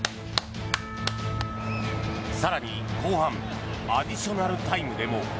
更に後半アディショナルタイムでも。